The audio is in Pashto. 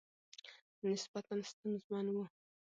نسبتاً ستونزمن ؤ